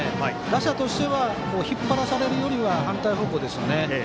打者としては引っ張らされるより反対方向ですよね。